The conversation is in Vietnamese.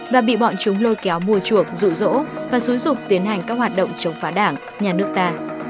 và bị bọn chúng lôi kéo mùa chuộc rụ rỗ và xúi rụp tiến hành các hoạt động chống phá đảng nhà nước ta